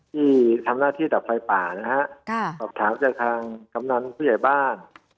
ที่ทำหน้าที่ดับไฟป่านะฮะสอบถามจากทางกำนันผู้ใหญ่บ้าน